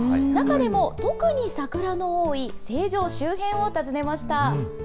中でも、特に桜の多い成城周辺を訪ねました。